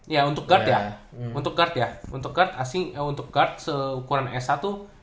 ya untuk guard ya untuk guard ya untuk card asing untuk guard seukuran s satu